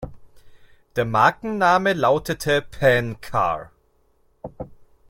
Der Markenname lautete "Pan-Car".